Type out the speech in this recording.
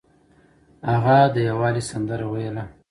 هغه د یووالي سندره ویله.